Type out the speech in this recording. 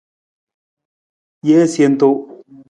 Jee sentunung.